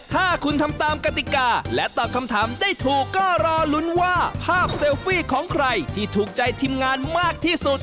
ถ้าคุณทำตามกติกาและตอบคำถามได้ถูกก็รอลุ้นว่าภาพเซลฟี่ของใครที่ถูกใจทีมงานมากที่สุด